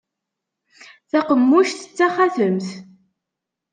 Taqemmuct d taxatemt.